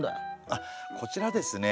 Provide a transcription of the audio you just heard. あっこちらですね